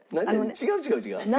「違う違う違う」？